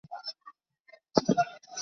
几乎快晕了过去